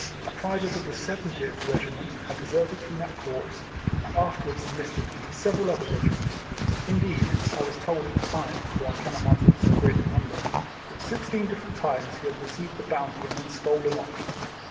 A private of the 70th Regiment had deserted from that corps, and afterwards enlisted into several B 2 4 RECOLLECTIONS OF other regiments; indeed, I was told at the time (though I cannot answer for so great a number) that sixteen different times he had received the bounty and then stolen off.